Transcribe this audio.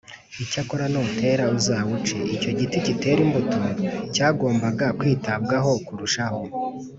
icyakora nutera uzawuce’ icyo giti kiteraga imbuto cyagombaga kwitabwaho kurushaho